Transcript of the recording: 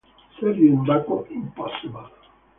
Sergio and Bacco impossible.